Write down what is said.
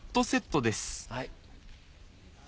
はい。